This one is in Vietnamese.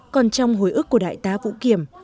còn trong hồi ước của đại tá vũ kiểm